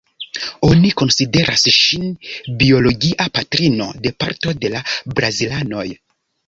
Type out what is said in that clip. Oni konsideras ŝin biologia patrino de parto de la brazilanoj.